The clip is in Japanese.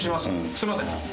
すみません。